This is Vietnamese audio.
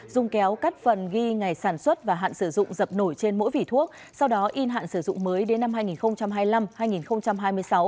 dùng kéo cắt phần ghi ngày sản xuất và hạn sử dụng dập nổi trên mỗi vỉ thuốc sau đó in hạn sử dụng mới đến năm hai nghìn hai mươi năm hai nghìn hai mươi sáu